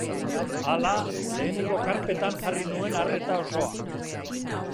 Hala, lehenengo karpetan jarri nuen arreta osoa.